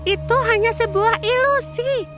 itu hanya sebuah ilusi